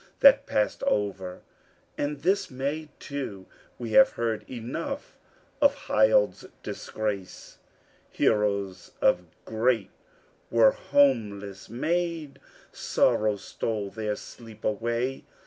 That pass'd over, and this may, too! We have heard enough of Hild's disgrace; heroes of Geat were homeless made, and sorrow stole their sleep away.